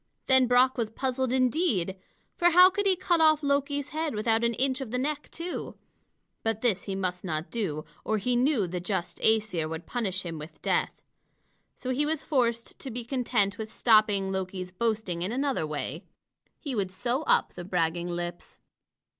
Then Brock was puzzled indeed, for how could he cut off Loki's head without an inch of the neck, too? But this he must not do, or he knew the just Æsir would punish him with death. So he was forced to be content with stopping Loki's boasting in another way. He would sew up the bragging lips.